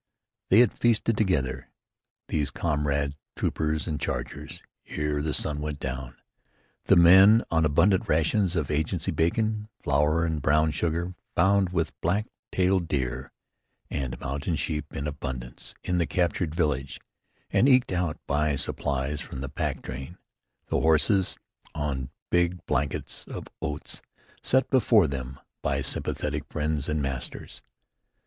They had feasted together, these comrade troopers and chargers, ere the sun went down, the men on abundant rations of agency bacon, flour and brown sugar, found with black tailed deer and mountain sheep in abundance in the captured village, and eked out by supplies from the pack train, the horses on big "blankets" of oats set before them by sympathetic friends and masters.